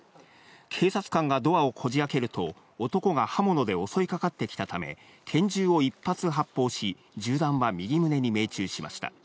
警察官がドアをこじあけると、男が刃物で襲いかかってきたため、拳銃を１発発砲し、銃弾は右胸に命中しました。